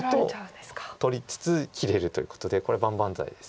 取りつつ切れるということでこれ万々歳です。